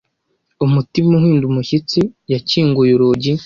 Umutima uhinda umushyitsi, yakinguye urugi.